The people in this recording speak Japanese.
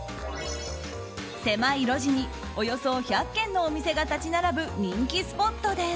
狭い路地におよそ１００軒のお店が立ち並ぶ人気スポットです。